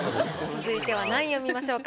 続いては何位を見ましょうか？